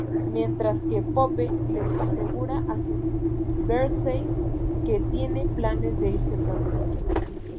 Mientras que Pope les asegura a sus Berserkers que tiene planes de irse pronto.